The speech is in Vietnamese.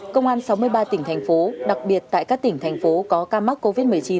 công an sáu mươi ba tỉnh thành phố đặc biệt tại các tỉnh thành phố có ca mắc covid một mươi chín